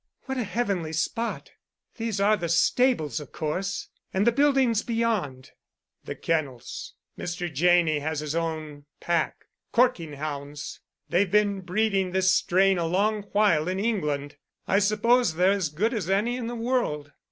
"What a heavenly spot! These are the stables, of course. And the buildings beyond?" "The kennels. Mr. Janney has his own pack—corking hounds. They've been breeding this strain a long while in England. I suppose they're as good as any in the world."